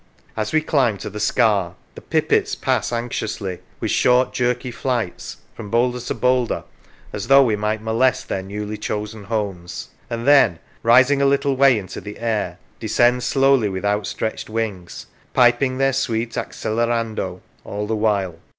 As we climb to the scar, the pipits pass anxiously, with short jerky flights, from boulder to boulder, as though we might molest their newly chosen homes; and then, rising a little way into the air, descend slowly with outstretched wings, piping their sweet accelerando all the while.